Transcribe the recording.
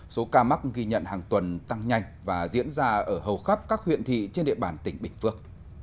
số ca mắc ghi nhận hàng tuần tăng nhanh và diễn ra ở hầu khắp các huyện thị trên địa bàn tỉnh bình phước